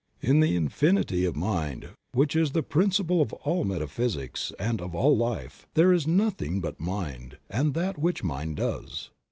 In the Infinity of mind, which is the principle of all meta physics and of all life, there is nothing but mind, and that which mind does.